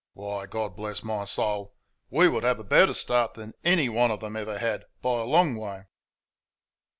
Why, God bless my soul! we would have a better start than any one of them ever had by a long way."